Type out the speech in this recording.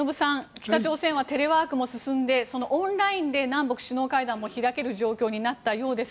北朝鮮はテレワークも進んでそのオンラインで南北首脳会談も開ける状況になったようです。